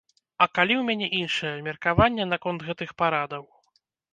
А калі ў мяне іншае меркаванне наконт гэтых парадаў?